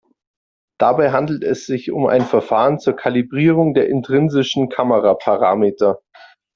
Dabei handelt es sich um ein Verfahren zur Kalibrierung der intrinsischen Kameraparameter.